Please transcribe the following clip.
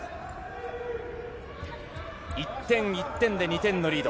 １点、１点で２点のリード。